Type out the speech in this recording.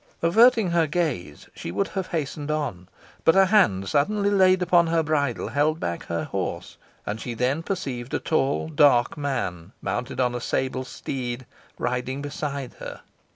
Averting her gaze, she would have hastened on, but a hand suddenly laid upon her bridle, held back her horse; and she then perceived a tall dark man, mounted on a sable steed, riding beside her.